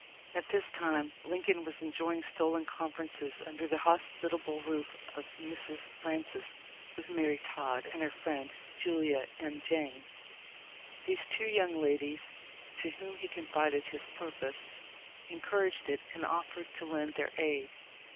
At this time Lincoln was enjoying stolen conferences under the hospitable roof of Mrs. Francis with Mary Todd and her friend Julia M. Jayne. These two young ladies, to whom he con fided his purpose, encouraged it and offered to lend their aid.